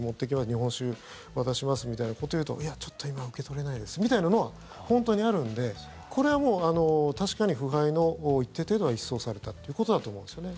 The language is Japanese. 日本酒渡しますみたいなこと言うといや、ちょっと今受け取れないですみたいなのは本当にあるんで、これはもう確かに腐敗の一定程度は一掃されたということだと思うんですよね。